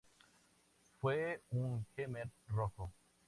Fue un jemer rojo.